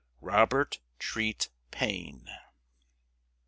ROBERT TREAT PAINE.